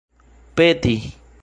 peti